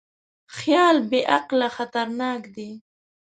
خیال بېعقله خطرناک دی.